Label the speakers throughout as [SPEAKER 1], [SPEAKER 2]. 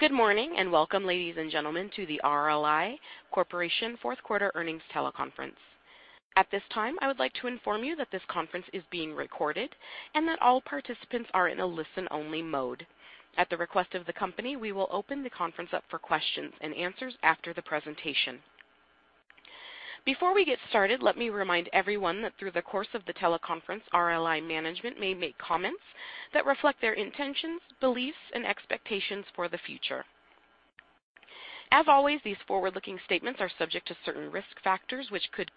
[SPEAKER 1] Good morning, and welcome, ladies and gentlemen, to the RLI Corporation fourth quarter earnings teleconference. At this time, I would like to inform you that this conference is being recorded and that all participants are in a listen-only mode. At the request of the company, we will open the conference up for questions and answers after the presentation. Before we get started, let me remind everyone that through the course of the teleconference, RLI management may make comments that reflect their intentions, beliefs, and expectations for the future. As always, these forward-looking statements are subject to certain risk factors which could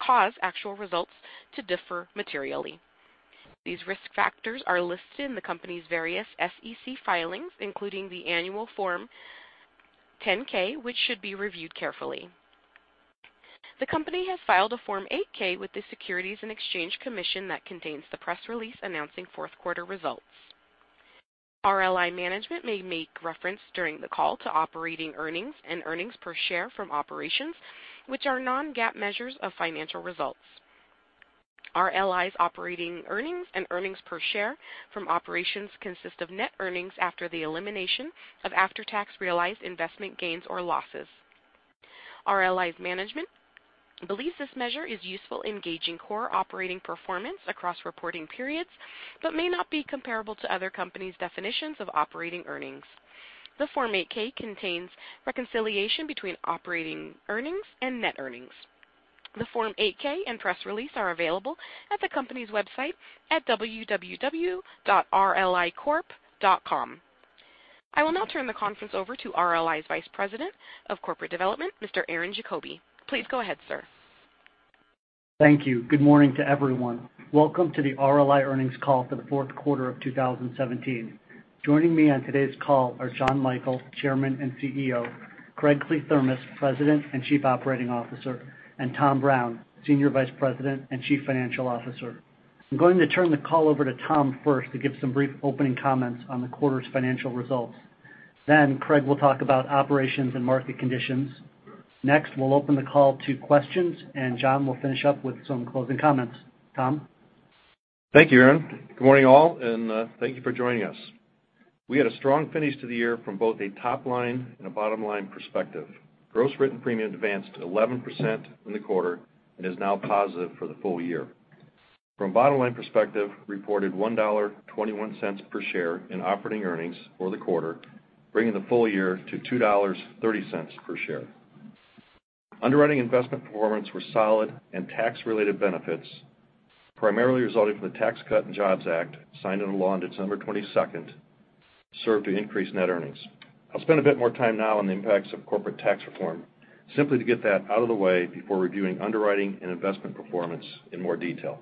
[SPEAKER 1] cause actual results to differ materially. These risk factors are listed in the company's various SEC filings, including the annual Form 10-K, which should be reviewed carefully. The company has filed a Form 8-K with the Securities and Exchange Commission that contains the press release announcing fourth quarter results. RLI management may make reference during the call to operating earnings and earnings per share from operations, which are non-GAAP measures of financial results. RLI's operating earnings and earnings per share from operations consist of net earnings after the elimination of after-tax realized investment gains or losses. RLI's management believes this measure is useful in gauging core operating performance across reporting periods but may not be comparable to other companies' definitions of operating earnings. The Form 8-K contains reconciliation between operating earnings and net earnings. The Form 8-K and press release are available at the company's website at www.rlicorp.com. I will now turn the conference over to RLI's Vice President of Corporate Development, Mr. Aaron Diefenthaler. Please go ahead, sir.
[SPEAKER 2] Thank you. Good morning to everyone. Welcome to the RLI earnings call for the fourth quarter of 2017. Joining me on today's call are John Michael, Chairman and CEO, Craig Kliethermes, President and Chief Operating Officer, and Tom Brown, Senior Vice President and Chief Financial Officer. I'm going to turn the call over to Tom first to give some brief opening comments on the quarter's financial results. Craig will talk about operations and market conditions. We'll open the call to questions, and John will finish up with some closing comments. Tom?
[SPEAKER 3] Thank you, Aaron. Good morning, all. Thank you for joining us. We had a strong finish to the year from both a top-line and a bottom-line perspective. Gross written premium advanced 11% in the quarter and is now positive for the full year. From a bottom-line perspective, reported $1.21 per share in operating earnings for the quarter, bringing the full year to $2.30 per share. Underwriting investment performance were solid. Tax-related benefits, primarily resulting from the Tax Cuts and Jobs Act signed into law on December 22nd, served to increase net earnings. I'll spend a bit more time now on the impacts of corporate tax reform, simply to get that out of the way before reviewing underwriting and investment performance in more detail.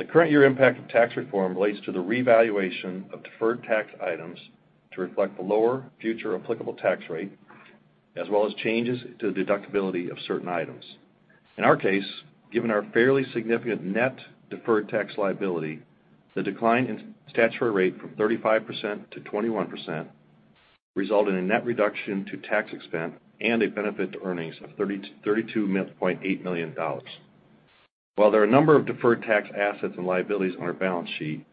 [SPEAKER 3] The current year impact of tax reform relates to the revaluation of deferred tax items to reflect the lower future applicable tax rate, as well as changes to the deductibility of certain items. In our case, given our fairly significant net deferred tax liability, the decline in statutory rate from 35% to 21% resulted in a net reduction to tax expense and a benefit to earnings of $32.8 million. While there are a number of deferred tax assets and liabilities on our balance sheet,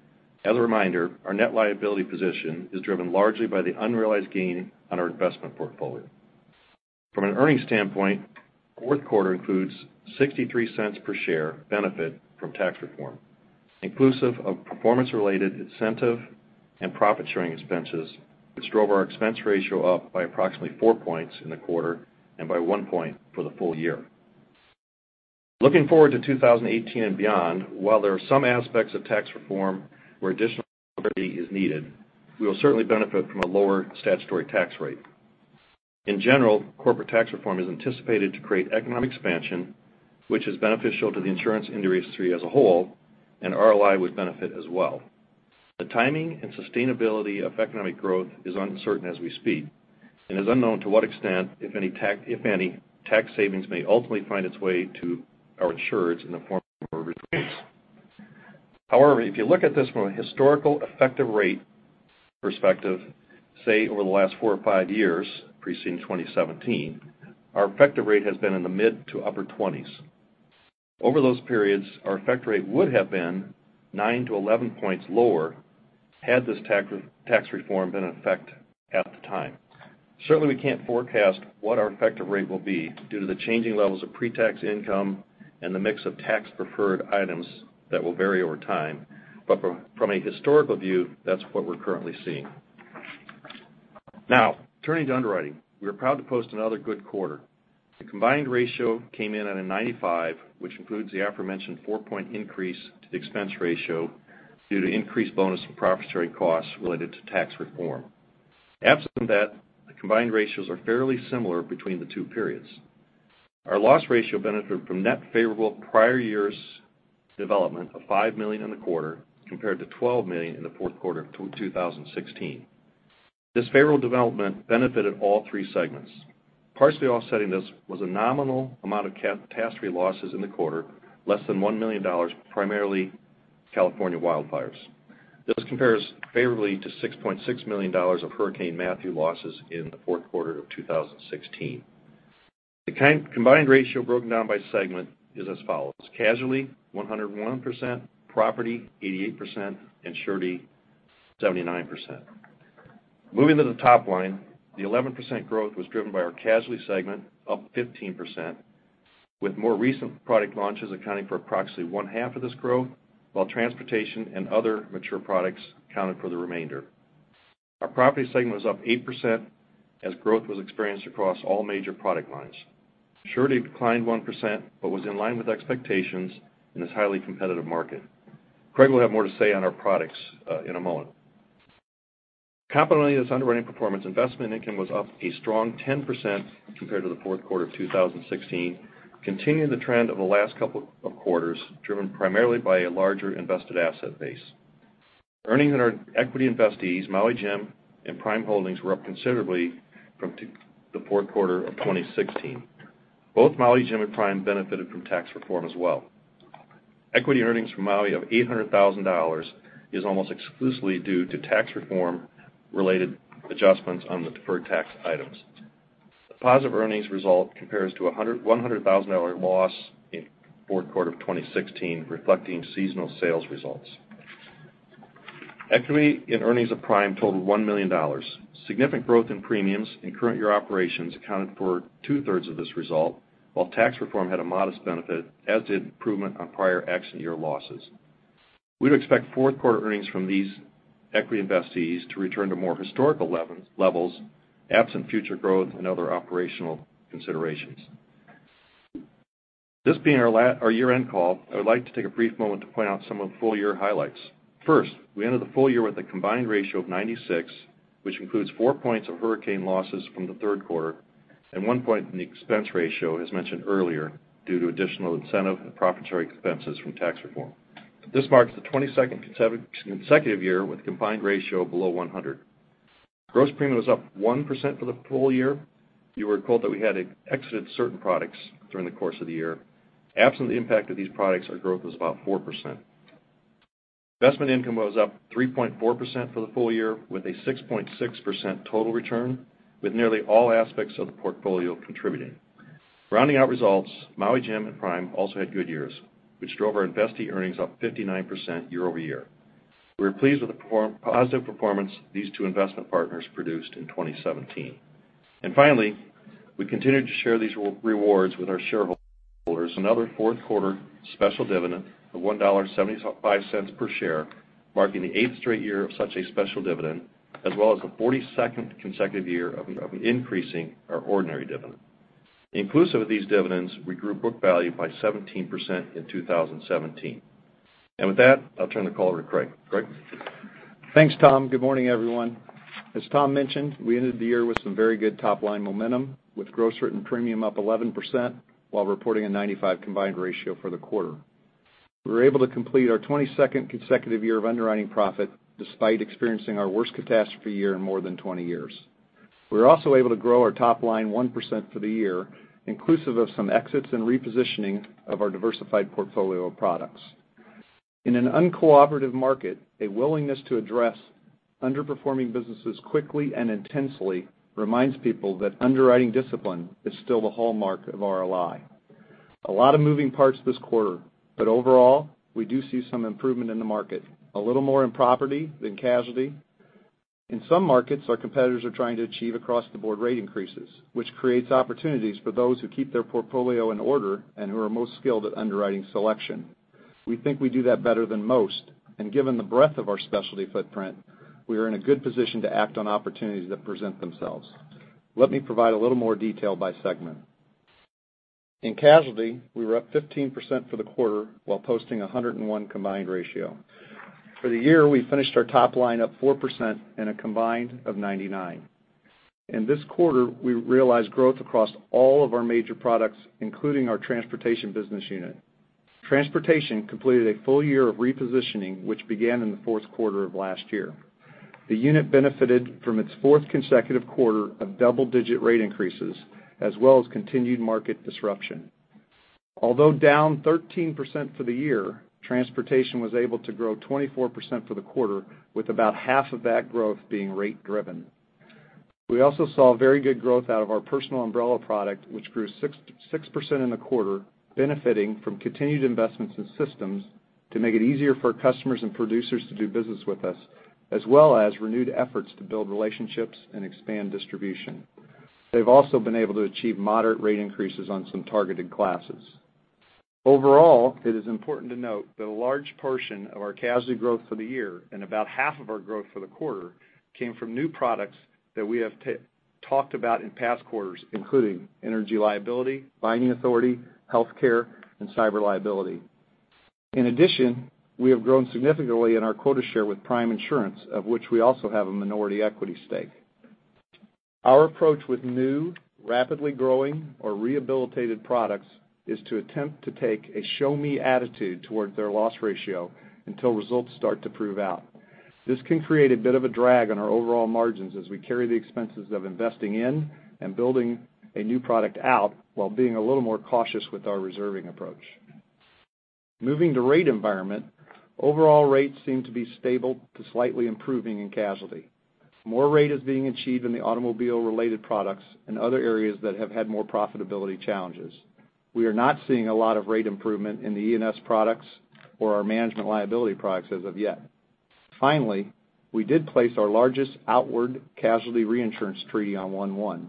[SPEAKER 3] as a reminder, our net liability position is driven largely by the unrealized gain on our investment portfolio. From an earnings standpoint, fourth quarter includes $0.63 per share benefit from tax reform, inclusive of performance-related incentive and profit-sharing expenses, which drove our expense ratio up by approximately 4 points in the quarter and by 1 point for the full year. Looking forward to 2018 and beyond, while there are some aspects of tax reform where additional clarity is needed, we will certainly benefit from a lower statutory tax rate. In general, corporate tax reform is anticipated to create economic expansion, which is beneficial to the insurance industry as a whole, and RLI would benefit as well. The timing and sustainability of economic growth is uncertain as we speak, and is unknown to what extent, if any, tax savings may ultimately find its way to our insureds in the form of rate increases. However, if you look at this from a historical effective rate perspective, say over the last 4 or 5 years preceding 2017, our effective rate has been in the mid to upper 20s. Over those periods, our effective rate would have been 9 to 11 points lower had this tax reform been in effect at the time. Certainly, we can't forecast what our effective rate will be due to the changing levels of pre-tax income and the mix of tax-preferred items that will vary over time. From a historical view, that's what we're currently seeing. Now, turning to underwriting. We are proud to post another good quarter. The combined ratio came in at a 95, which includes the aforementioned 4-point increase to the expense ratio due to increased bonus and profit sharing costs related to tax reform. Absent that, the combined ratios are fairly similar between the two periods. Our loss ratio benefited from net favorable prior year's development of $5 million in the quarter, compared to $12 million in the fourth quarter of 2016. This favorable development benefited all 3 segments. Partially offsetting this was a nominal amount of catastrophe losses in the quarter, less than $1 million, primarily California wildfires. This compares favorably to $6.6 million of Hurricane Matthew losses in the fourth quarter of 2016. The combined ratio broken down by segment is as follows: casualty, 101%; property, 88%; and surety, 79%. Moving to the top line, the 11% growth was driven by our casualty segment, up 15%, with more recent product launches accounting for approximately one-half of this growth, while transportation and other mature products accounted for the remainder. Our property segment was up 8%, as growth was experienced across all major product lines. Surety declined 1%, but was in line with expectations in this highly competitive market. Craig will have more to say on our products in a moment. Complementing this underwriting performance, investment income was up a strong 10% compared to the fourth quarter of 2016, continuing the trend of the last couple of quarters, driven primarily by a larger invested asset base. Earnings on our equity investees, Maui Jim and Prime Holdings, were up considerably from the fourth quarter of 2016. Both Maui Jim and Prime benefited from tax reform as well. Equity earnings from Maui of $800,000 is almost exclusively due to tax reform-related adjustments on the deferred tax items. The positive earnings result compares to a $100,000 loss in fourth quarter of 2016, reflecting seasonal sales results. Equity in earnings of Prime totaled $1 million. Significant growth in premiums in current year operations accounted for two-thirds of this result, while tax reform had a modest benefit, as did improvement on prior accident year losses. We'd expect fourth quarter earnings from these equity investees to return to more historical levels, absent future growth and other operational considerations. This being our year-end call, I would like to take a brief moment to point out some of the full-year highlights. First, we ended the full year with a combined ratio of 96, which includes four points of hurricane losses from the third quarter and one point in the expense ratio, as mentioned earlier, due to additional incentive and profit share expenses from tax reform. This marks the 22nd consecutive year with a combined ratio below 100. Gross premium was up 1% for the full year. You were told that we had exited certain products during the course of the year. Absent the impact of these products, our growth was about 4%. Investment income was up 3.4% for the full year, with a 6.6% total return, with nearly all aspects of the portfolio contributing. Rounding out results, Maui Jim and Prime also had good years, which drove our investee earnings up 59% year-over-year. We were pleased with the positive performance these two investment partners produced in 2017. Finally, we continued to share these rewards with our shareholders. Another fourth quarter special dividend of $1.75 per share, marking the eighth straight year of such a special dividend, as well as the 42nd consecutive year of increasing our ordinary dividend. Inclusive of these dividends, we grew book value by 17% in 2017. With that, I'll turn the call over to Craig. Craig?
[SPEAKER 4] Thanks, Tom. Good morning, everyone. As Tom mentioned, we ended the year with some very good top-line momentum, with gross written premium up 11%, while reporting a 95 combined ratio for the quarter. We were able to complete our 22nd consecutive year of underwriting profit, despite experiencing our worst catastrophe year in more than 20 years. We were also able to grow our top line 1% for the year, inclusive of some exits and repositioning of our diversified portfolio of products. In an uncooperative market, a willingness to address underperforming businesses quickly and intensely reminds people that underwriting discipline is still the hallmark of RLI. Overall, we do see some improvement in the market, a little more in property than casualty. In some markets, our competitors are trying to achieve across-the-board rate increases, which creates opportunities for those who keep their portfolio in order and who are most skilled at underwriting selection. We think we do that better than most, and given the breadth of our specialty footprint, we are in a good position to act on opportunities that present themselves. Let me provide a little more detail by segment. In casualty, we were up 15% for the quarter, while posting 101 combined ratio. For the year, we finished our top line up 4% and a combined of 99. In this quarter, we realized growth across all of our major products, including our transportation business unit. Transportation completed a full year of repositioning, which began in the fourth quarter of last year. The unit benefited from its fourth consecutive quarter of double-digit rate increases, as well as continued market disruption. Although down 13% for the year, transportation was able to grow 24% for the quarter, with about half of that growth being rate-driven. We also saw very good growth out of our personal umbrella product, which grew 6% in the quarter, benefiting from continued investments in systems to make it easier for customers and producers to do business with us, as well as renewed efforts to build relationships and expand distribution. They've also been able to achieve moderate rate increases on some targeted classes. Overall, it is important to note that a large portion of our casualty growth for the year, and about half of our growth for the quarter, came from new products that we have talked about in past quarters, including energy liability, binding authority, healthcare, and cyber liability. In addition, we have grown significantly in our quota share with Prime Insurance, of which we also have a minority equity stake. Our approach with new, rapidly growing, or rehabilitated products is to attempt to take a show-me attitude towards their loss ratio until results start to prove out. This can create a bit of a drag on our overall margins as we carry the expenses of investing in and building a new product out while being a little more cautious with our reserving approach. Moving to rate environment, overall rates seem to be stable to slightly improving in casualty. More rate is being achieved in the automobile-related products and other areas that have had more profitability challenges. We are not seeing a lot of rate improvement in the E&S products or our management liability products as of yet. Finally, we did place our largest outward casualty reinsurance treaty on 1/1.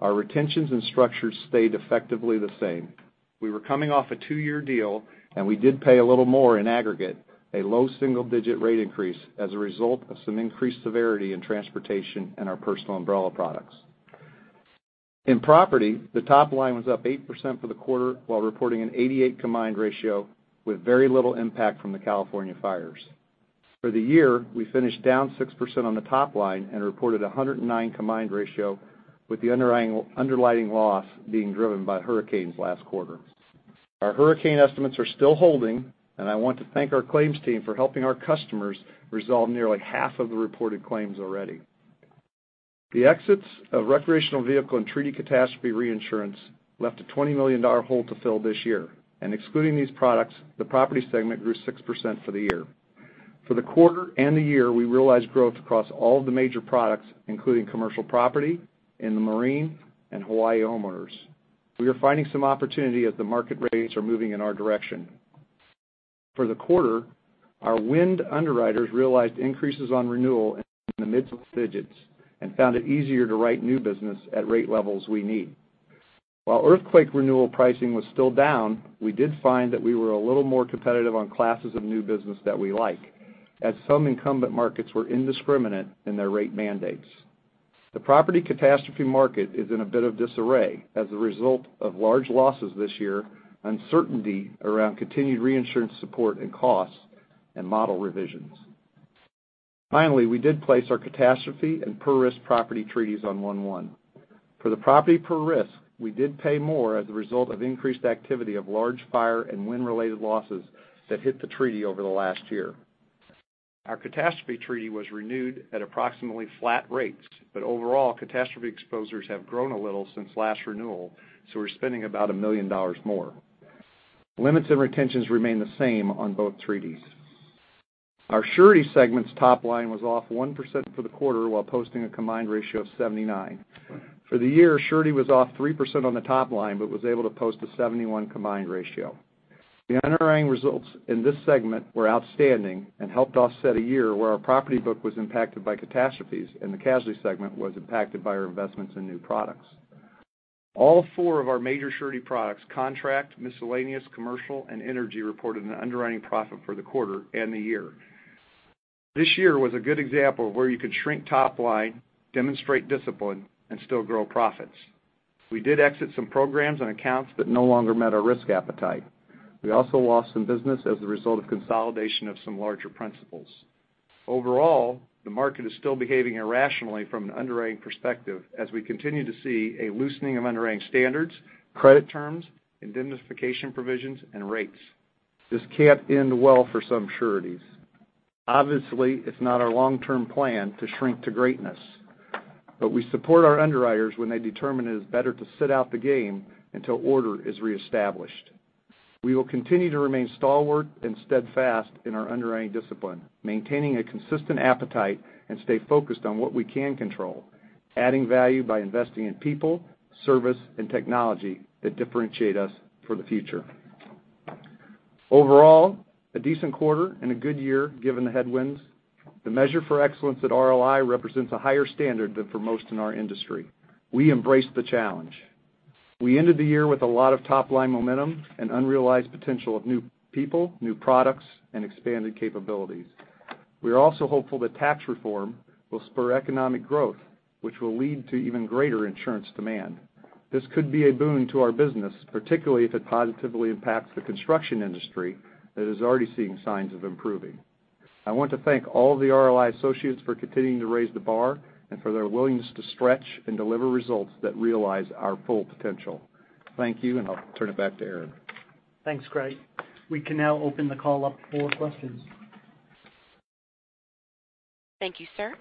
[SPEAKER 4] Our retentions and structures stayed effectively the same. We were coming off a two-year deal, and we did pay a little more in aggregate, a low single-digit rate increase as a result of some increased severity in transportation and our personal umbrella products. In property, the top line was up 8% for the quarter while reporting an 88 combined ratio with very little impact from the California fires. For the year, we finished down 6% on the top line and reported 109 combined ratio with the underlying loss being driven by hurricanes last quarter. Our hurricane estimates are still holding, and I want to thank our claims team for helping our customers resolve nearly half of the reported claims already. The exits of recreational vehicle and treaty catastrophe reinsurance left a $20 million hole to fill this year. Excluding these products, the property segment grew 6% for the year. For the quarter and the year, we realized growth across all of the major products, including commercial property, marine, and Hawaii homeowners. We are finding some opportunity as the market rates are moving in our direction. For the quarter, our wind underwriters realized increases on renewal in the mid-single digits and found it easier to write new business at rate levels we need. While earthquake renewal pricing was still down, we did find that we were a little more competitive on classes of new business that we like, as some incumbent markets were indiscriminate in their rate mandates. The property catastrophe market is in a bit of disarray as a result of large losses this year, uncertainty around continued reinsurance support and costs, and model revisions. We did place our catastrophe and per-risk property treaties on 1/1. For the property per-risk, we did pay more as a result of increased activity of large fire and wind-related losses that hit the treaty over the last year. Our catastrophe treaty was renewed at approximately flat rates, but overall, catastrophe exposures have grown a little since last renewal. We're spending about $1 million more. Limits and retentions remain the same on both treaties. Our surety segment's top line was off 1% for the quarter while posting a combined ratio of 79. For the year, surety was off 3% on the top line but was able to post a 71 combined ratio. The underwriting results in this segment were outstanding and helped offset a year where our property book was impacted by catastrophes and the casualty segment was impacted by our investments in new products. All four of our major surety products, contract, miscellaneous, commercial, and energy, reported an underwriting profit for the quarter and the year. This year was a good example of where you could shrink top line, demonstrate discipline, and still grow profits. We did exit some programs and accounts that no longer met our risk appetite. We also lost some business as a result of consolidation of some larger principals. The market is still behaving irrationally from an underwriting perspective as we continue to see a loosening of underwriting standards, credit terms, indemnification provisions, and rates. This can't end well for some sureties. It's not our long-term plan to shrink to greatness. We support our underwriters when they determine it is better to sit out the game until order is reestablished. We will continue to remain stalwart and steadfast in our underwriting discipline, maintaining a consistent appetite, and stay focused on what we can control, adding value by investing in people, service, and technology that differentiate us for the future. A decent quarter and a good year given the headwinds. The measure for excellence at RLI represents a higher standard than for most in our industry. We embrace the challenge. We ended the year with a lot of top-line momentum and unrealized potential of new people, new products, and expanded capabilities. We are also hopeful that tax reform will spur economic growth, which will lead to even greater insurance demand. This could be a boon to our business, particularly if it positively impacts the construction industry that is already seeing signs of improving. I want to thank all of the RLI associates for continuing to raise the bar and for their willingness to stretch and deliver results that realize our full potential. Thank you, and I'll turn it back to Aaron.
[SPEAKER 2] Thanks, Craig. We can now open the call up for questions.
[SPEAKER 1] Thank you, sir.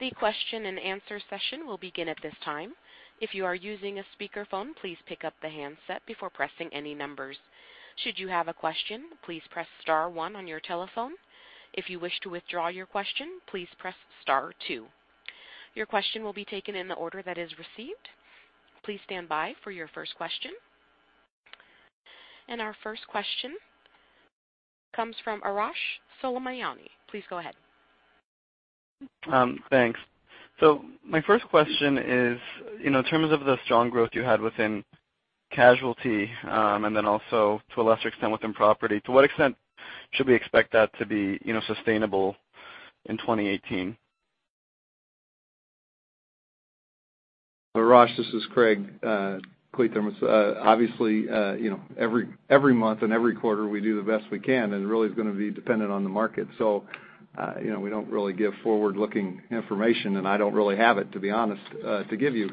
[SPEAKER 1] The question and answer session will begin at this time. If you are using a speakerphone, please pick up the handset before pressing any numbers. Should you have a question, please press star one on your telephone. If you wish to withdraw your question, please press star two. Your question will be taken in the order that is received. Please stand by for your first question. Our first question comes from Arash Soleimani. Please go ahead.
[SPEAKER 5] Thanks. My first question is, in terms of the strong growth you had within casualty and then also to a lesser extent within property, to what extent should we expect that to be sustainable in 2018?
[SPEAKER 4] Arash, this is Craig Kliethermes. Obviously, every month and every quarter, we do the best we can, really it's going to be dependent on the market. We don't really give forward-looking information, I don't really have it, to be honest, to give you.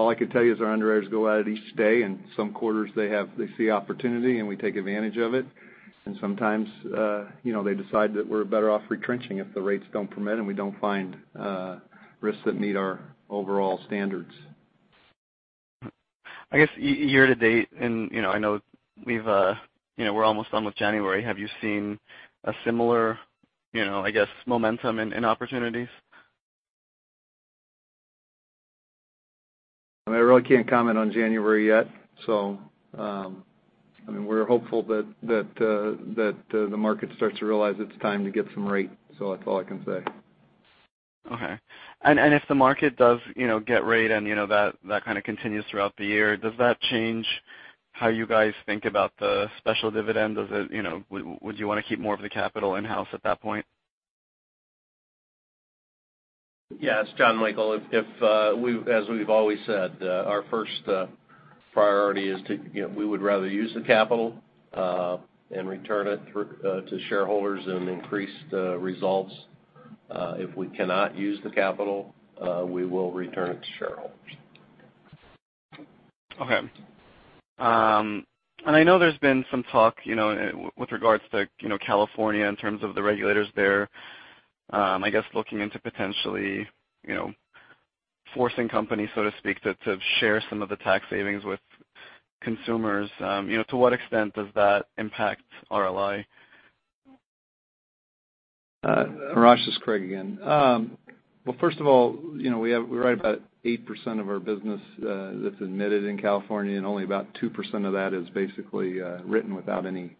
[SPEAKER 4] All I can tell you is our underwriters go at it each day, some quarters they see opportunity, and we take advantage of it. Sometimes they decide that we're better off retrenching if the rates don't permit, and we don't find risks that meet our overall standards
[SPEAKER 5] I guess year-to-date, and I know we're almost done with January, have you seen a similar, I guess, momentum in opportunities?
[SPEAKER 4] I really can't comment on January yet. We're hopeful that the market starts to realize it's time to get some rate. That's all I can say.
[SPEAKER 5] Okay. If the market does get rate and that kind of continues throughout the year, does that change how you guys think about the special dividend? Would you want to keep more of the capital in-house at that point?
[SPEAKER 6] Yes, John Michael, as we've always said, our first priority is we would rather use the capital and return it to shareholders and increase the results. If we cannot use the capital, we will return it to shareholders.
[SPEAKER 5] Okay. I know there's been some talk with regards to California in terms of the regulators there, I guess, looking into potentially forcing companies, so to speak, to share some of the tax savings with consumers. To what extent does that impact RLI?
[SPEAKER 4] Arash, this is Craig again. Well, first of all, we write about 8% of our business that's admitted in California, and only about 2% of that is basically written without any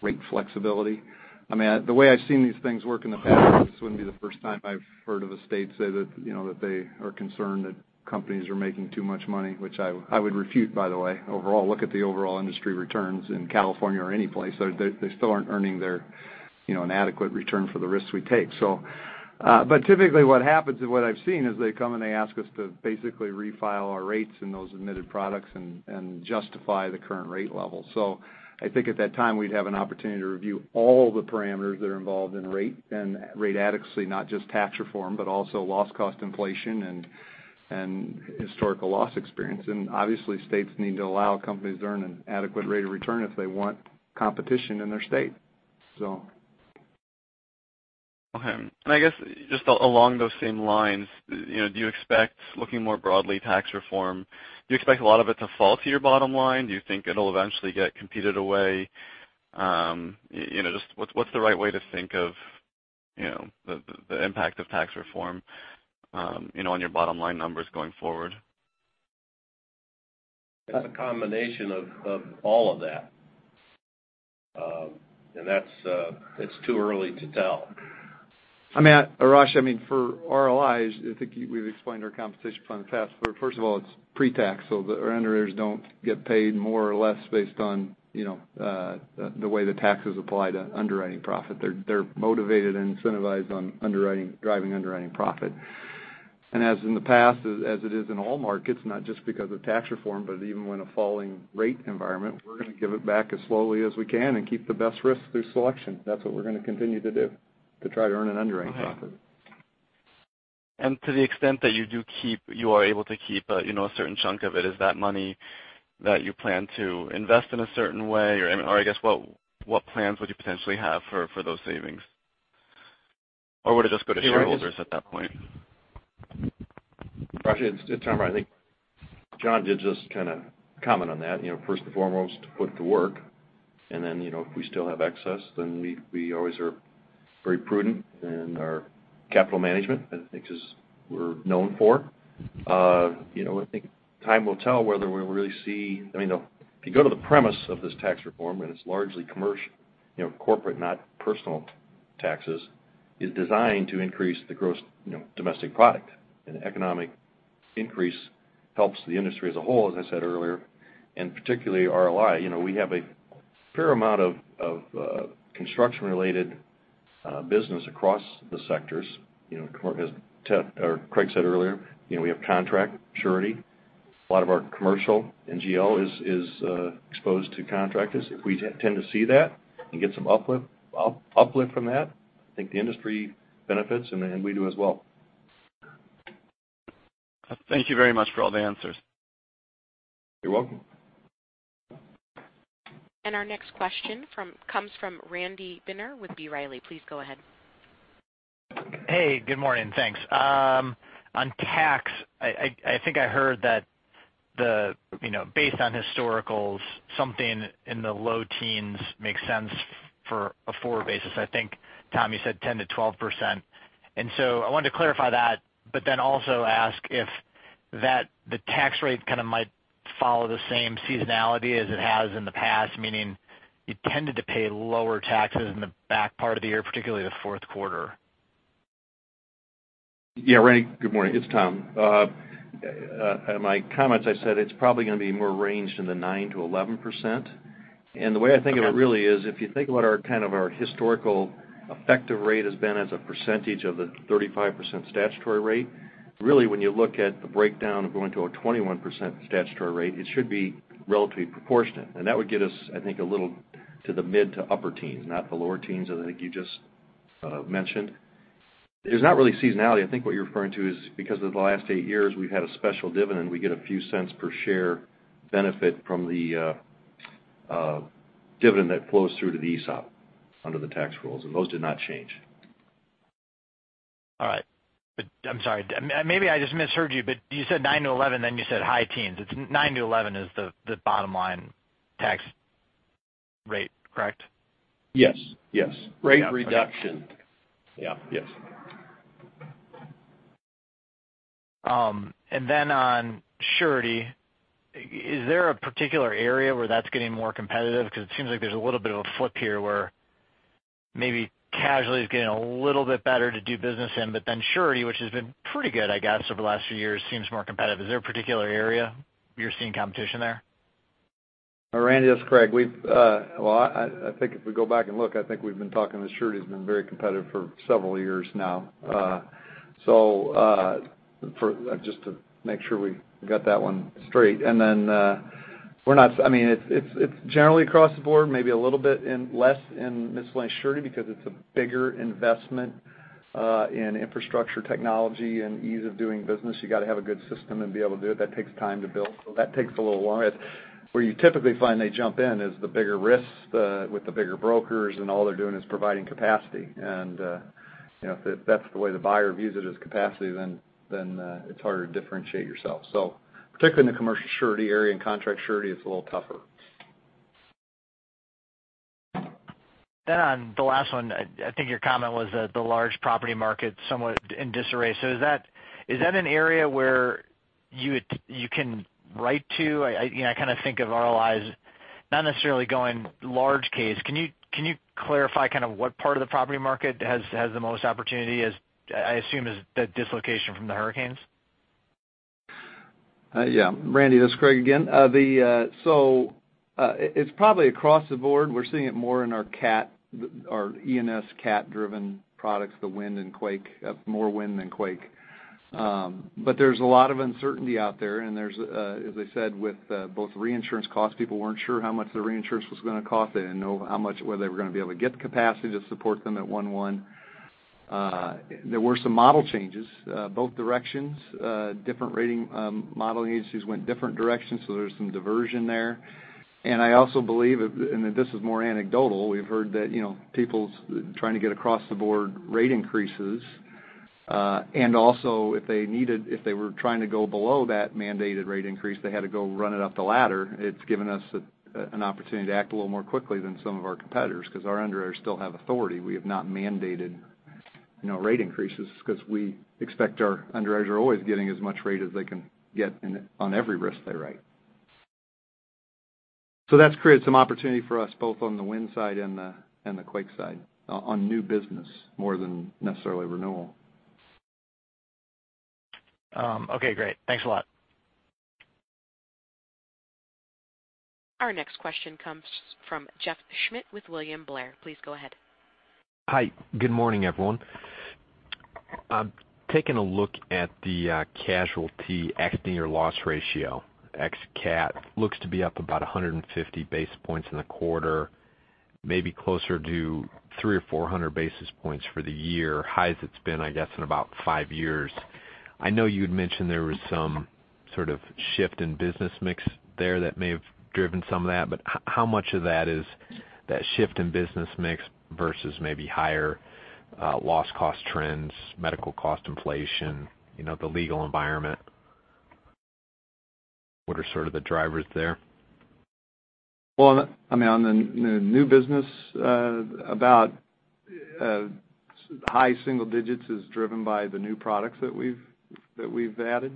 [SPEAKER 4] rate flexibility. The way I've seen these things work in the past, this wouldn't be the first time I've heard of a state say that they are concerned that companies are making too much money. Which I would refute, by the way. Overall, look at the overall industry returns in California or any place. They still aren't earning an adequate return for the risks we take, so. Typically what happens and what I've seen is they come, and they ask us to basically refile our rates in those admitted products and justify the current rate level. I think at that time, we'd have an opportunity to review all the parameters that are involved in rate and rate adequacy, not just tax reform, but also loss cost inflation and historical loss experience. Obviously, states need to allow companies to earn an adequate rate of return if they want competition in their state, so.
[SPEAKER 5] Okay. I guess just along those same lines, do you expect, looking more broadly, tax reform, do you expect a lot of it to fall to your bottom line? Do you think it'll eventually get competed away? What's the right way to think of the impact of tax reform on your bottom-line numbers going forward?
[SPEAKER 4] It's a combination of all of that. It's too early to tell. Arash, for RLI, I think we've explained our compensation plan in the past. First of all, it's pre-tax, so our underwriters don't get paid more or less based on the way the taxes apply to underwriting profit. They're motivated and incentivized on underwriting, driving underwriting profit. As in the past, as it is in all markets, not just because of tax reform, but even with a falling rate environment, we're going to give it back as slowly as we can and keep the best risk through selection. That's what we're going to continue to do to try to earn an underwriting profit.
[SPEAKER 5] To the extent that you are able to keep a certain chunk of it, is that money that you plan to invest in a certain way, or I guess, what plans would you potentially have for those savings? Or would it just go to shareholders at that point?
[SPEAKER 3] Arash, it's Tom. I think John did just kind of comment on that. First and foremost, put it to work. Then, if we still have excess, then we always are very prudent in our capital management, I think as we're known for. I think time will tell whether we'll really see. If you go to the premise of this tax reform, and it's largely commercial, corporate, not personal taxes, is designed to increase the gross domestic product. An economic increase helps the industry as a whole, as I said earlier, and particularly RLI. We have a fair amount of construction-related business across the sectors. As Craig said earlier, we have contract surety. A lot of our commercial NGL is exposed to contractors. If we tend to see that and get some uplift from that, I think the industry benefits and we do as well.
[SPEAKER 5] Thank you very much for all the answers.
[SPEAKER 3] You're welcome.
[SPEAKER 1] Our next question comes from Randy Binner with B. Riley. Please go ahead.
[SPEAKER 7] Hey, good morning. Thanks. On tax, I think I heard that based on historicals, something in the low teens makes sense for a forward basis. I think, Tom, you said 10%-12%. I wanted to clarify that, but then also ask if the tax rate kind of might follow the same seasonality as it has in the past, meaning you tended to pay lower taxes in the back part of the year, particularly the fourth quarter.
[SPEAKER 3] Yeah, Randy, good morning. It's Tom. In my comments, I said it's probably going to be more ranged in the 9%-11%. The way I think of it really is if you think of what our historical effective rate has been as a percentage of the 35% statutory rate, really, when you look at the breakdown of going to a 21% statutory rate, it should be relatively proportionate. That would get us, I think, a little to the mid to upper teens, not the lower teens as I think you just mentioned. There's not really seasonality. I think what you're referring to is because of the last eight years, we've had a special dividend. We get a few cents per share benefit from the dividend that flows through to the ESOP under the tax rules, and those did not change
[SPEAKER 7] All right. I'm sorry, maybe I just misheard you said 9-11, then you said high teens. It's 9-11 is the bottom line tax rate, correct?
[SPEAKER 4] Yes. Rate reduction. Yeah. Yes.
[SPEAKER 7] Then on surety, is there a particular area where that's getting more competitive? Because it seems like there's a little bit of a flip here where maybe casualty is getting a little bit better to do business in, but then surety, which has been pretty good, I guess, over the last few years, seems more competitive. Is there a particular area you're seeing competition there?
[SPEAKER 4] Randy, yes, Craig. I think if we go back and look, I think we've been talking to surety has been very competitive for several years now. Just to make sure we got that one straight. Then, it's generally across the board, maybe a little bit less in miscellaneous surety because it's a bigger investment, in infrastructure technology and ease of doing business. You got to have a good system and be able to do it. That takes time to build. That takes a little longer. Where you typically find they jump in is the bigger risks, with the bigger brokers, and all they're doing is providing capacity. If that's the way the buyer views it as capacity, then it's harder to differentiate yourself. Particularly in the commercial surety area and contract surety, it's a little tougher.
[SPEAKER 7] On the last one, I think your comment was that the large property market somewhat in disarray. Is that an area where you can write to? I think of RLI's not necessarily going large case. Can you clarify what part of the property market has the most opportunity, as I assume is the dislocation from the hurricanes?
[SPEAKER 4] Randy, this is Craig again. It's probably across the board. We're seeing it more in our E&S cat-driven products, the wind and quake, more wind than quake. There's a lot of uncertainty out there, and as I said, with both reinsurance costs, people weren't sure how much the reinsurance was going to cost. They didn't know how much, whether they were going to be able to get the capacity to support them at 1/1. There were some model changes, both directions, different rating, modeling agencies went different directions, so there's some diversion there. I also believe, and this is more anecdotal, we've heard that, people's trying to get across the board rate increases. Also if they were trying to go below that mandated rate increase, they had to go run it up the ladder. It's given us an opportunity to act a little more quickly than some of our competitors because our underwriters still have authority. We have not mandated rate increases because we expect our underwriters are always getting as much rate as they can get on every risk they write. That's created some opportunity for us both on the wind side and the quake side on new business more than necessarily renewal.
[SPEAKER 7] Okay, great. Thanks a lot.
[SPEAKER 1] Our next question comes from Jeff Schmitt with William Blair. Please go ahead.
[SPEAKER 8] Hi. Good morning, everyone. Taking a look at the casualty accident year loss ratio. Ex cat looks to be up about 150 basis points in the quarter, maybe closer to 300 or 400 basis points for the year, highs it's been, I guess, in about five years. How much of that is that shift in business mix versus maybe higher loss cost trends, medical cost inflation, the legal environment? What are sort of the drivers there?
[SPEAKER 4] Well, on the new business, about high single digits is driven by the new products that we've added.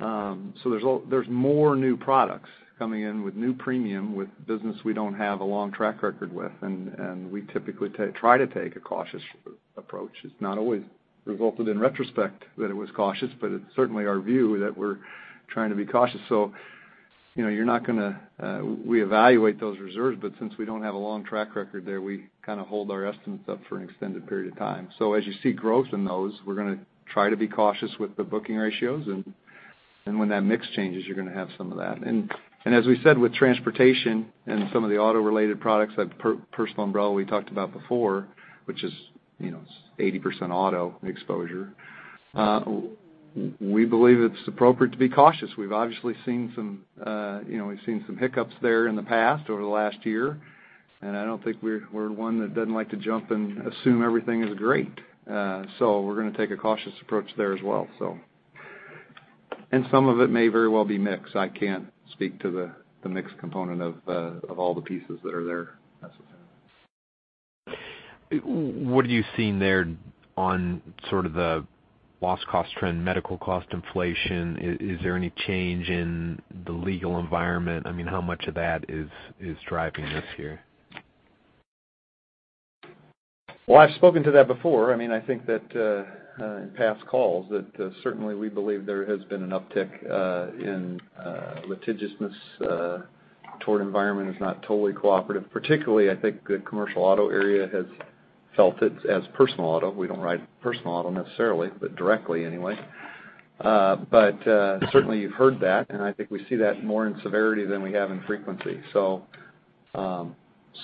[SPEAKER 4] There's more new products coming in with new premium, with business we don't have a long track record with. We typically try to take a cautious approach. It's not always resulted in retrospect that it was cautious, it's certainly our view that we're trying to be cautious. We evaluate those reserves, since we don't have a long track record there, we kind of hold our estimates up for an extended period of time. As you see growth in those, we're going to try to be cautious with the booking ratios, when that mix changes, you're going to have some of that. As we said with transportation and some of the auto related products, like personal umbrella we talked about before, which is 80% auto exposure, we believe it's appropriate to be cautious. We've obviously seen some hiccups there in the past over the last year, I don't think we're one that doesn't like to jump and assume everything is great. We're going to take a cautious approach there as well. Some of it may very well be mix. I can't speak to the mix component of all the pieces that are there necessarily.
[SPEAKER 8] What are you seeing there on sort of the loss cost trend, medical cost inflation? Is there any change in the legal environment? How much of that is driving this here?
[SPEAKER 4] I've spoken to that before. I think that in past calls, that certainly we believe there has been an uptick in litigiousness toward environment is not totally cooperative. Particularly, I think the commercial auto area has felt it as personal auto. We don't write personal auto necessarily, directly anyway. Certainly you've heard that, and I think we see that more in severity than we have in frequency.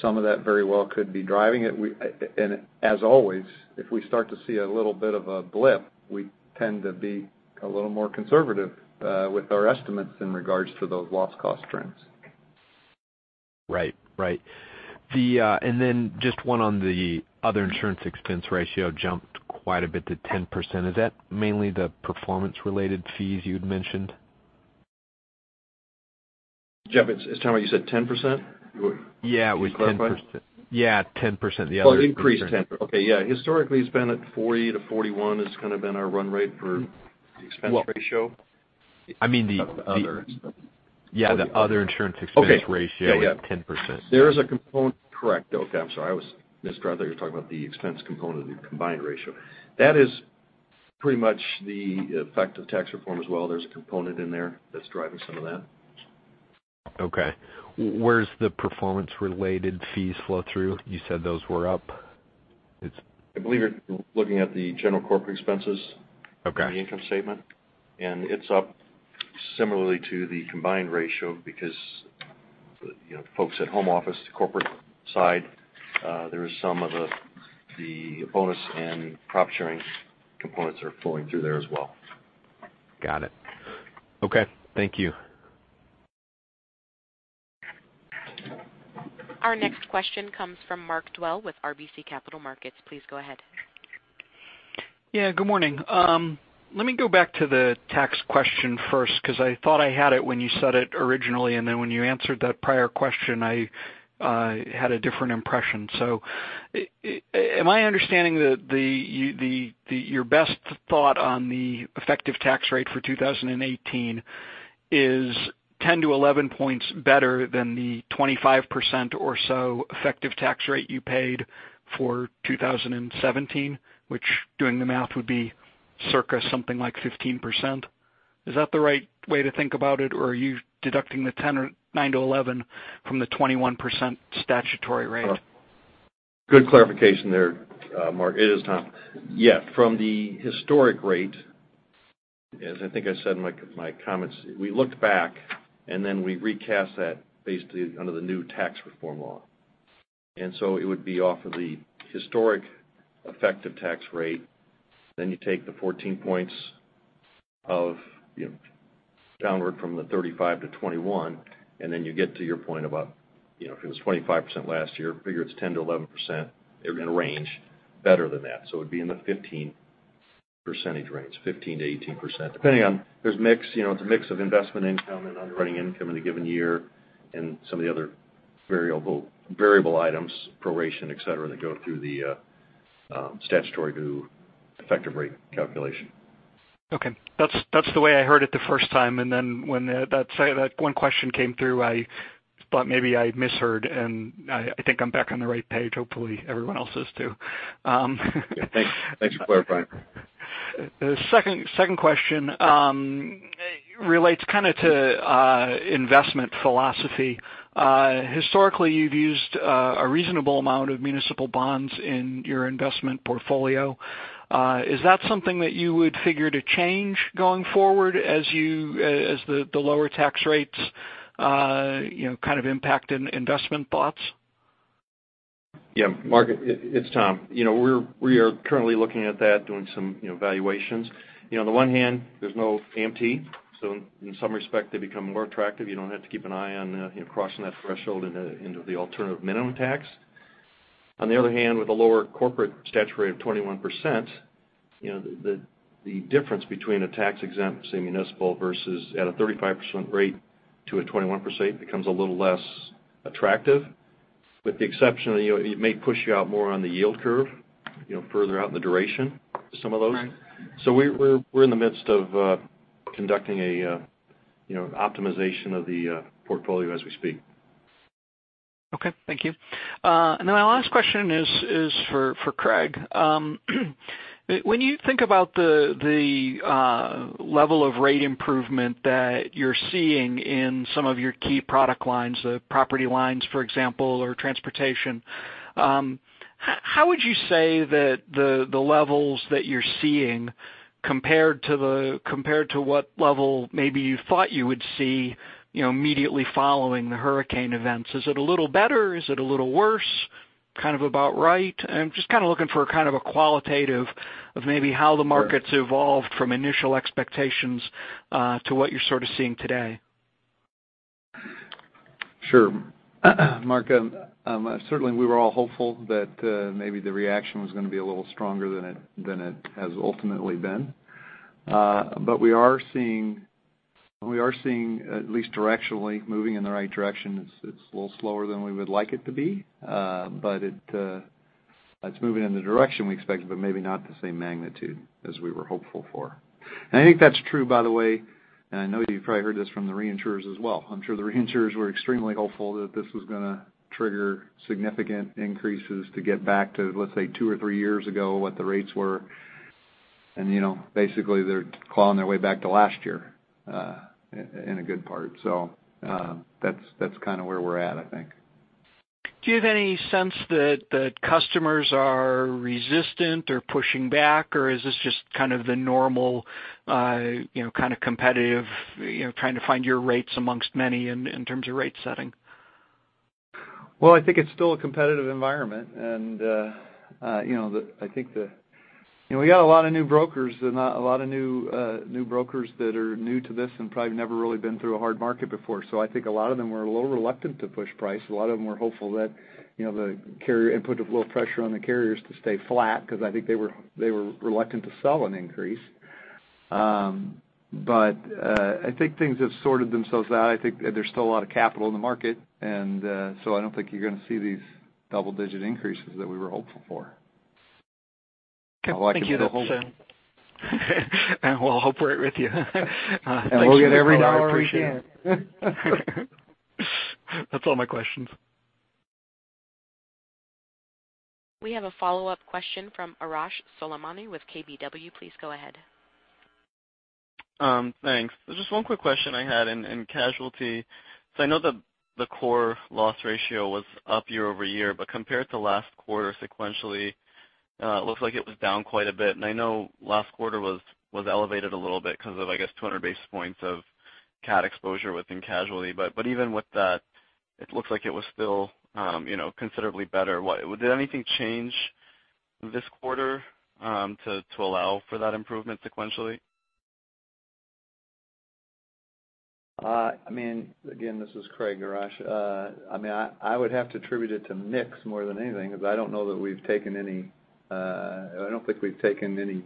[SPEAKER 4] Some of that very well could be driving it. As always, if we start to see a little bit of a blip, we tend to be a little more conservative with our estimates in regards to those loss cost trends.
[SPEAKER 8] Right. Just one on the other insurance expense ratio jumped quite a bit to 10%. Is that mainly the performance-related fees you'd mentioned?
[SPEAKER 3] Jeff, it's Tom. You said 10%?
[SPEAKER 8] Yeah, it was 10%.
[SPEAKER 3] Can you clarify?
[SPEAKER 8] Yeah, 10%.
[SPEAKER 3] Well, it increased 10%. Okay. Yeah. Historically, it's been at 40%-41%, has kind of been our run rate for the expense ratio.
[SPEAKER 8] I mean the other insurance expense ratio.
[SPEAKER 3] Okay. Yeah is at 10%. There is a component. Correct. Okay. I'm sorry. I was misled. I thought you were talking about the expense component of the combined ratio. That is pretty much the effective tax reform as well. There's a component in there that's driving some of that.
[SPEAKER 8] Okay. Where's the performance related fees flow through? You said those were up.
[SPEAKER 3] I believe you're looking at the general corporate expenses- Okay on the income statement. It's up similarly to the combined ratio because the folks at home office, the corporate side, there is some of the bonus and profit sharing components are flowing through there as well.
[SPEAKER 8] Got it. Okay. Thank you.
[SPEAKER 1] Our next question comes from Mark Dwelle with RBC Capital Markets. Please go ahead.
[SPEAKER 9] Yeah, good morning. Let me go back to the tax question first because I thought I had it when you said it originally, then when you answered that prior question, I had a different impression. Am I understanding that your best thought on the effective tax rate for 2018 is 10 to 11 points better than the 25% or so effective tax rate you paid for 2017, which doing the math would be circa something like 15%? Is that the right way to think about it? Or are you deducting the 10 or 9 to 11 from the 21% statutory rate?
[SPEAKER 3] Good clarification there, Mark. It is Tom. Yeah. From the historic rate, as I think I said in my comments, we looked back then we recast that basically under the new tax reform law. It would be off of the historic effective tax rate. You take the 14 points downward from the 35 to 21, you get to your point about, if it was 25% last year, figure it's 10%-11%, they're going to range better than that. It would be in the 15 percentage range, 15%-18%, depending on the mix of investment income and underwriting income in a given year and some of the other variable items, proration, et cetera, that go through the statutory to effective rate calculation.
[SPEAKER 9] Okay. That's the way I heard it the first time, when that one question came through, I thought maybe I misheard, I think I'm back on the right page. Hopefully, everyone else is too.
[SPEAKER 3] Thanks for clarifying.
[SPEAKER 9] The second question relates to investment philosophy. Historically, you've used a reasonable amount of municipal bonds in your investment portfolio. Is that something that you would figure to change going forward as the lower tax rates impact investment thoughts?
[SPEAKER 3] Mark, it's Tom. We are currently looking at that, doing some valuations. On the one hand, there's no AMT, so in some respect, they become more attractive. You don't have to keep an eye on crossing that threshold into the alternative minimum tax. On the other hand, with a lower corporate statutory of 21%, the difference between a tax-exempt, say, municipal versus at a 35% rate to a 21% becomes a little less attractive with the exception of it may push you out more on the yield curve, further out in the duration to some of those. We're in the midst of conducting an optimization of the portfolio as we speak.
[SPEAKER 9] Thank you. My last question is for Craig. When you think about the level of rate improvement that you're seeing in some of your key product lines, the property lines, for example, or transportation, how would you say that the levels that you're seeing compared to what level maybe you thought you would see immediately following the hurricane events, is it a little better? Is it a little worse? Kind of about right? I'm just looking for a qualitative of maybe how the market's evolved from initial expectations to what you're sort of seeing today.
[SPEAKER 4] Sure. Mark, certainly we were all hopeful that maybe the reaction was going to be a little stronger than it has ultimately been. We are seeing, at least directionally, moving in the right direction. It's a little slower than we would like it to be. It's moving in the direction we expected, but maybe not the same magnitude as we were hopeful for. I think that's true, by the way, and I know you've probably heard this from the reinsurers as well. I'm sure the reinsurers were extremely hopeful that this was going to trigger significant increases to get back to, let's say, two or three years ago, what the rates were. Basically, they're clawing their way back to last year in a good part. That's where we're at, I think.
[SPEAKER 9] Do you have any sense that customers are resistant or pushing back, or is this just the normal competitive trying to find your rates amongst many in terms of rate setting?
[SPEAKER 4] Well, I think it's still a competitive environment, and I think we got a lot of new brokers that are new to this and probably never really been through a hard market before. I think a lot of them were a little reluctant to push price. A lot of them were hopeful that the carrier input a little pressure on the carriers to stay flat, because I think they were reluctant to sell an increase. I think things have sorted themselves out. I think there's still a lot of capital in the market, I don't think you're going to see these double-digit increases that we were hopeful for.
[SPEAKER 9] Okay. Thank you.
[SPEAKER 4] We'll hope for it with you.
[SPEAKER 9] We'll get every dollar we can. That's all my questions.
[SPEAKER 1] We have a follow-up question from Arash Soleimani with KBW. Please go ahead.
[SPEAKER 5] Thanks. There's just one quick question I had in Casualty, because I know the core loss ratio was up year-over-year, but compared to last quarter sequentially, it looks like it was down quite a bit. I know last quarter was elevated a little bit because of, I guess, 200 basis points of cat exposure within Casualty. Even with that, it looks like it was still considerably better. Did anything change this quarter to allow for that improvement sequentially?
[SPEAKER 4] Again, this is Craig, Arash. I would have to attribute it to mix more than anything, because I don't think we've taken any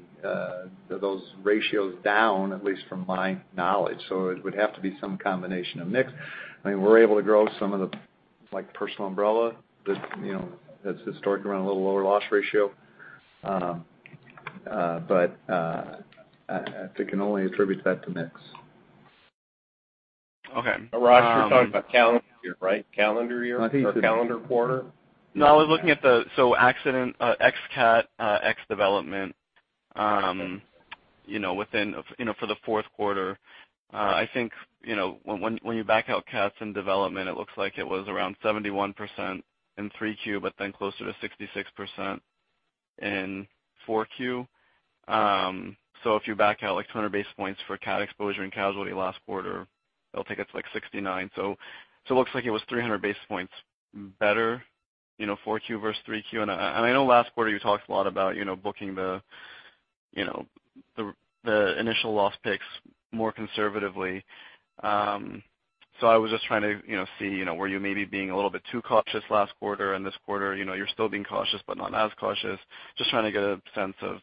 [SPEAKER 4] of those ratios down, at least from my knowledge. It would have to be some combination of mix. We're able to grow some of the, like personal umbrella that's historically run a little lower loss ratio. I can only attribute that to mix. Okay. Arash, you're talking about calendar year, right? Calendar year or calendar quarter?
[SPEAKER 5] No, I was looking at the accident, ex cat, ex development within, for the fourth quarter. I think when you back out cats and development, it looks like it was around 71% in Q3, closer to 66% in Q4. If you back out like 200 basis points for cat exposure in Casualty last quarter, I think it's like 69%. Looks like it was 300 basis points better Q4 versus Q3. I know last quarter you talked a lot about booking the initial loss picks more conservatively. I was just trying to see, were you maybe being a little bit too cautious last quarter and this quarter, you're still being cautious but not as cautious? Just trying to get a sense of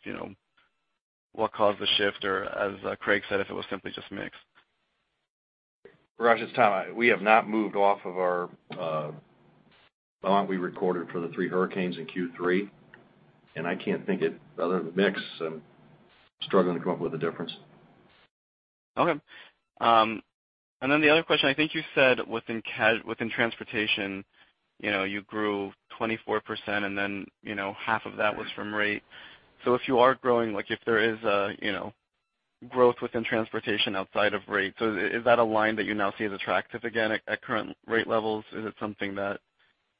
[SPEAKER 5] what caused the shift, or as Craig said, if it was simply just mix.
[SPEAKER 3] Arash, it's Tom. We have not moved off of our amount we recorded for the three hurricanes in Q3. I can't think other than mix, I'm struggling to come up with a difference.
[SPEAKER 5] The other question, I think you said within Transportation, you grew 24% and then half of that was from rate. If you are growing, like if there is a growth within Transportation outside of rate, is that a line that you now see as attractive again at current rate levels? Is it something that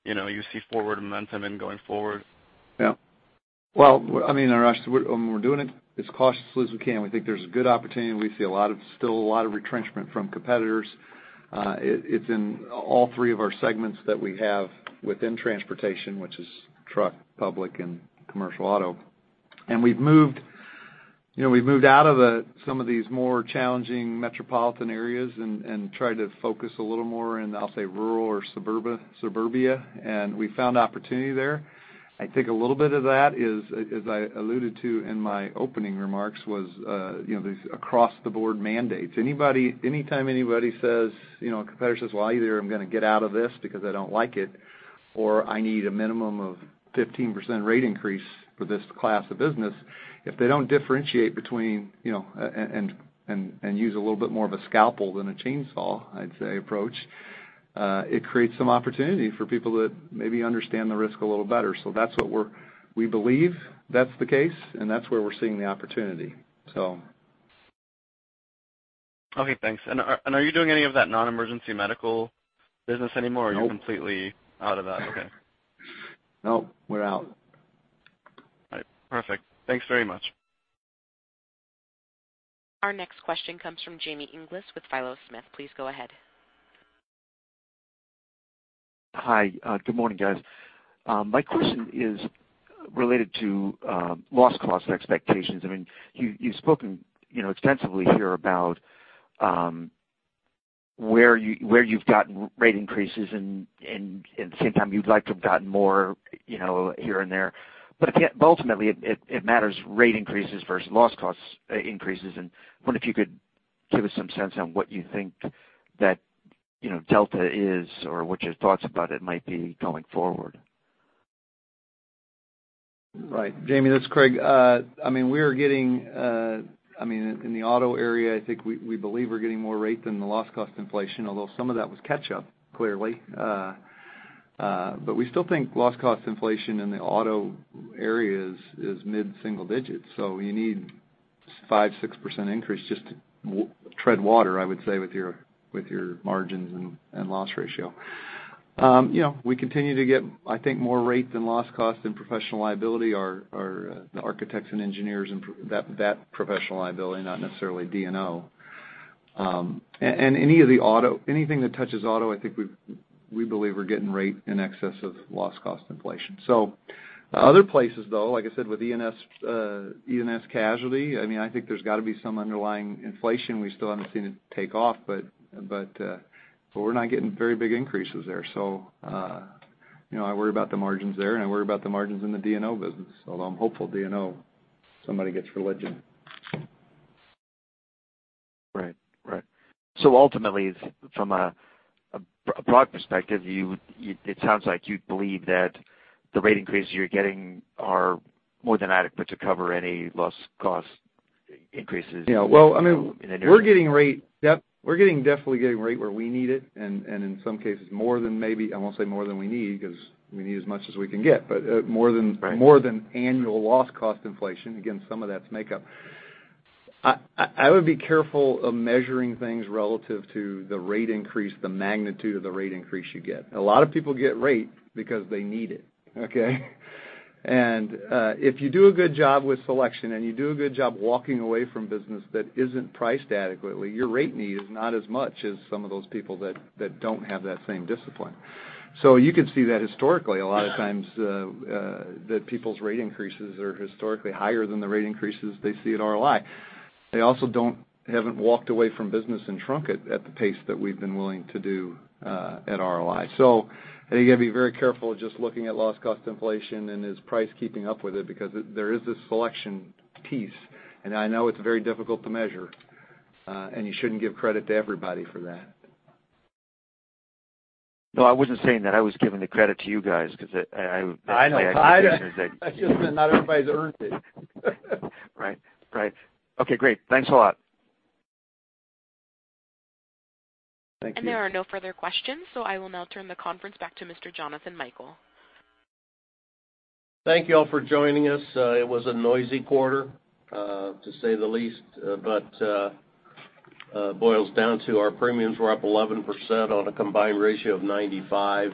[SPEAKER 5] you see forward momentum in going forward?
[SPEAKER 4] Yeah. Well, Arash, we're doing it as cautiously as we can. We think there's a good opportunity. We see still a lot of retrenchment from competitors. It's in all three of our segments that we have within Transportation, which is truck, public, and commercial auto. We've moved out of some of these more challenging metropolitan areas and tried to focus a little more in, I'll say, rural or suburbia, and we found opportunity there. I think a little bit of that is, as I alluded to in my opening remarks, was these across-the-board mandates. Anytime anybody says, a competitor says, "Well, either I'm going to get out of this because I don't like it, or I need a minimum of 15% rate increase for this class of business." If they don't differentiate between, and use a little bit more of a scalpel than a chainsaw, I'd say, approach, it creates some opportunity for people that maybe understand the risk a little better. We believe that's the case, and that's where we're seeing the opportunity.
[SPEAKER 5] Okay, thanks. Are you doing any of that non-emergency medical business anymore?
[SPEAKER 4] No.
[SPEAKER 5] Are you completely out of that? Okay.
[SPEAKER 4] No. We're out.
[SPEAKER 5] All right. Perfect. Thanks very much.
[SPEAKER 1] Our next question comes from Jamie Inglis with Philo Smith. Please go ahead.
[SPEAKER 10] Hi. Good morning, guys. My question is related to loss cost expectations. You've spoken extensively here about where you've gotten rate increases, and at the same time you'd like to have gotten more here and there. Ultimately, it matters rate increases versus loss costs increases, and I wonder if you could give us some sense on what you think that delta is or what your thoughts about it might be going forward.
[SPEAKER 4] Right. Jamie, this is Craig. In the auto area, I think we believe we're getting more rate than the loss cost inflation, although some of that was catch-up, clearly. We still think loss cost inflation in the auto area is mid-single digits. You need 5%, 6% increase just to tread water, I would say, with your margins and loss ratio. We continue to get, I think, more rate than loss cost in professional liability, our architects and engineers, and that professional liability, not necessarily D&O. Anything that touches auto, I think we believe we're getting rate in excess of loss cost inflation. Other places though, like I said, with E&S casualty, I think there's got to be some underlying inflation. We still haven't seen it take off, but we're not getting very big increases there. I worry about the margins there, and I worry about the margins in the D&O business, although I'm hopeful D&O, somebody gets religion.
[SPEAKER 10] Right. Ultimately, from a broad perspective, it sounds like you believe that the rate increases you're getting are more than adequate to cover any loss cost increases in the near term.
[SPEAKER 4] We're definitely getting rate where we need it, and in some cases more than maybe, I won't say more than we need, because we need as much as we can get, but more than. Right More than annual loss cost inflation. Again, some of that's makeup. I would be careful of measuring things relative to the rate increase, the magnitude of the rate increase you get. A lot of people get rate because they need it, okay? If you do a good job with selection, and you do a good job walking away from business that isn't priced adequately, your rate need is not as much as some of those people that don't have that same discipline. You could see that historically, a lot of times, that people's rate increases are historically higher than the rate increases they see at RLI. They also haven't walked away from business and shrunk it at the pace that we've been willing to do at RLI. I think you've got to be very careful just looking at loss cost inflation and is price keeping up with it, because there is this selection piece, and I know it's very difficult to measure. You shouldn't give credit to everybody for that.
[SPEAKER 10] No, I wasn't saying that. I was giving the credit to you guys because I.
[SPEAKER 4] I know. I understand. I'm just saying not everybody's earned it.
[SPEAKER 10] Right. Okay, great. Thanks a lot.
[SPEAKER 4] Thank you.
[SPEAKER 1] There are no further questions, so I will now turn the conference back to Mr. Jonathan Michael.
[SPEAKER 6] Thank you all for joining us. It was a noisy quarter, to say the least, but it boils down to our premiums were up 11% on a combined ratio of 95,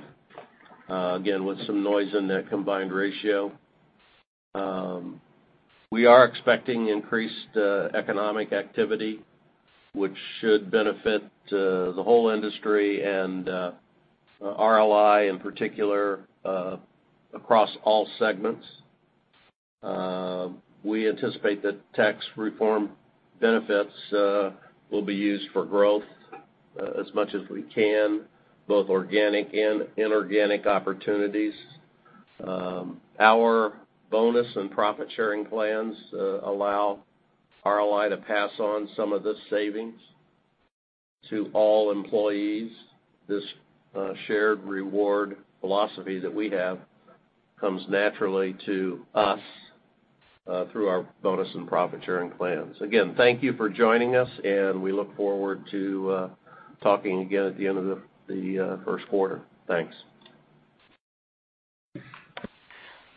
[SPEAKER 6] again, with some noise in that combined ratio. We are expecting increased economic activity, which should benefit the whole industry and RLI in particular, across all segments. We anticipate that tax reform benefits will be used for growth as much as we can, both organic and inorganic opportunities. Our bonus and profit-sharing plans allow RLI to pass on some of this savings to all employees. This shared reward philosophy that we have comes naturally to us through our bonus and profit-sharing plans. Again, thank you for joining us, and we look forward to talking again at the end of the first quarter. Thanks.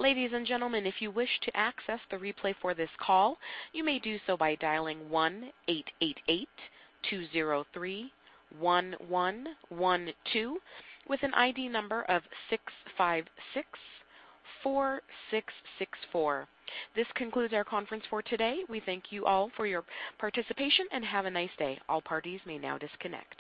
[SPEAKER 1] Ladies and gentlemen, if you wish to access the replay for this call, you may do so by dialing 1-888-203-1112 with an ID number of 6564664. This concludes our conference for today. We thank you all for your participation, and have a nice day. All parties may now disconnect.